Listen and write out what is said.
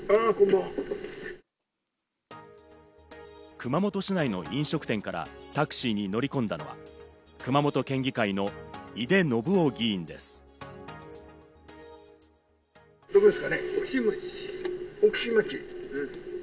熊本市内の飲食店からタクシーに乗り込んだのは熊本県議会の井手順雄議員です。